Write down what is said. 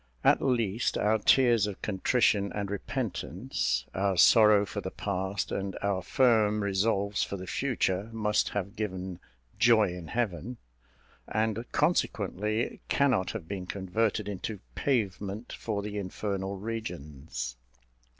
At least, our tears of contrition and repentance, our sorrow for the past, and our firm resolves for the future, must have given "joy in heaven," and consequently cannot have been converted into pavement for the infernal regions.